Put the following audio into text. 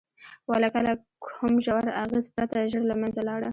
ولکه له کوم ژور اغېز پرته ژر له منځه لاړه.